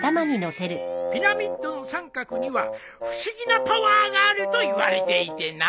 ピラミッドの三角には不思議なパワーがあるといわれていてな。